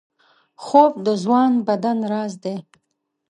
خوب د ځوان بدن راز دی